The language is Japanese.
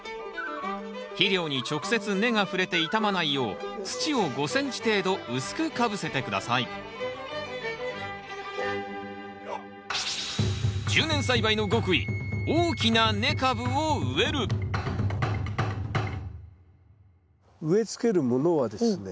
肥料に直接根が触れて傷まないよう土を５ｃｍ程度うすくかぶせて下さい植えつけるものはですね